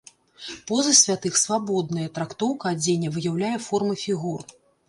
Позы святых свабодныя, трактоўка адзення выяўляе формы фігур.